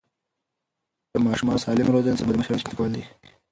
د ماشومانو سالم روزنه د سبا د مشرانو چمتو کول دي.